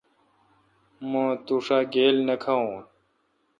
مہ تو ݭا گیل نہ کھاوین۔